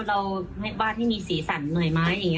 เราจะอนุญาตว่าวาดให้มีสีสั่นหน่อยมั้ย